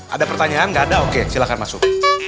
ada pertanyaan nggak ada oke silahkan masuk